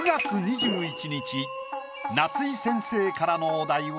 夏井先生からのお題は。